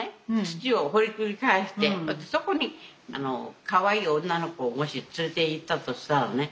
土を掘りくり返してそこにかわいい女の子をもし連れていったとしたらね